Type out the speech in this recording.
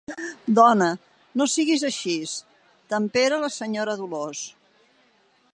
Dona, no siguis així —tempera la senyora Dolors.